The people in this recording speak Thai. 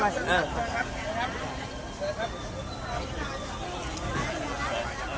สวัสดีทุกคน